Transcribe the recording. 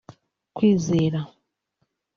Kwizera